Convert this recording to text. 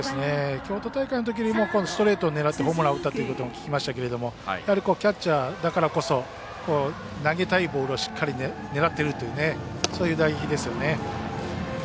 京都大会のときよりもストレートを狙ってホームランを打ったということも聞きましたけどキャッチャーだからこそ投げたいボールを狙ってるというそういう打撃ですよね。